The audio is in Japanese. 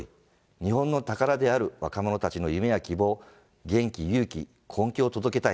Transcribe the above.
日本の宝である若者たちの夢や希望、元気、勇気、根気を届けたい！